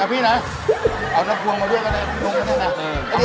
เอาพี่หน่ะเอาน้ำควงมาด้วยกันนะพี่โย่งกันด้วยนะ